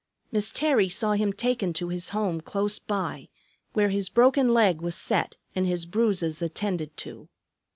Miss Terry saw him taken to his home close by, where his broken leg was set and his bruises attended to.